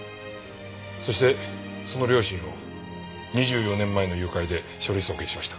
そしてその両親を２４年前の誘拐で書類送検しました。